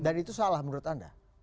dan itu salah menurut anda